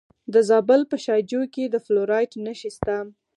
د زابل په شاجوی کې د فلورایټ نښې شته.